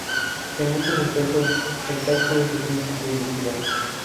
En muchos aspectos, el tacto es difícil de investigar.